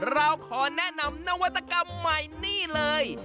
เราขอแนะนำนวัตกรรมใหม่นี่เลย